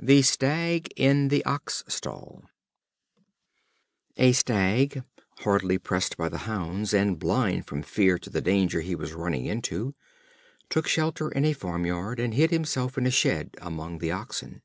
The Stag in the Ox Stall. A Stag, hardly pressed by the hounds, and blind through fear to the danger he was running into, took shelter in a farm yard, and hid himself in a shed among the oxen.